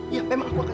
iya memang aku akan